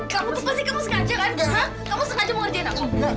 kamu tuh pasti kamu sengaja kan